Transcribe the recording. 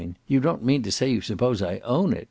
You don't mean to say you suppose I own it!"